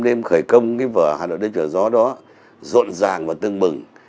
đêm khởi công cái vở hà nội đêm trở gió đó rộn ràng và tương mừng